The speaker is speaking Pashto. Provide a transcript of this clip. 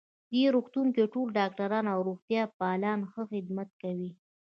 دې روغتون کې ټول ډاکټران او روغتیا پالان ښه خدمت کوی